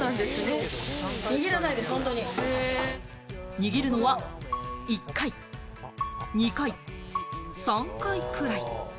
握るのは、１回、２回、３回くらい。